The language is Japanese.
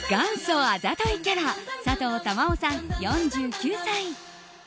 元祖あざといキャラさとう珠緒さん、４９歳。